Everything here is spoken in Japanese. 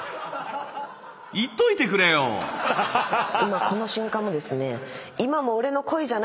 今この瞬間もですね。